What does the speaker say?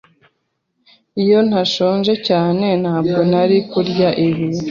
Iyo ntashonje cyane, ntabwo nari kurya ibi.